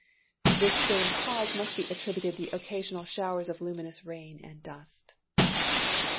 To this same cause must be attributed the occasional showers of luminous rain and dust.